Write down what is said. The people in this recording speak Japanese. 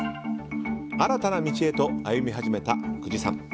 新たな道へと歩み始めた久慈さん。